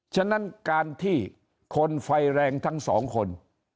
ฉะนั้นการที่คนไฟแรงทั้งสองคน